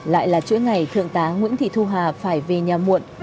lại là chuỗi ngày thượng tá nguyễn thị thu hà phải về nhà muộn